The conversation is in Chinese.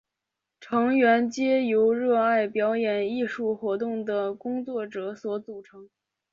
成员皆由热爱表演艺术活动的工作者所组成。